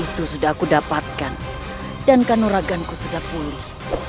itu sudah aku dapatkan dan kanoraganku sudah pulih